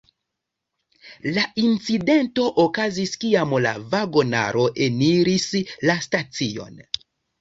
La incidento okazis kiam la vagonaro eniris la stacion.